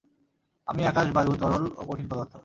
আমিই আকাশ, বায়ু, তরল ও কঠিন পদার্থ।